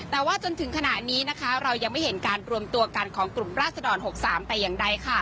แต่ว่าจนถึงขณะนี้นะคะเรายังไม่เห็นการรวมตัวกันของกลุ่มราศดร๖๓แต่อย่างใด